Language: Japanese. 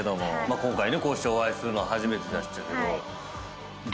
今回ねこうしてお会いするのは初めてでしたけど。